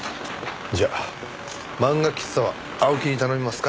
じゃあ漫画喫茶は青木に頼みますか。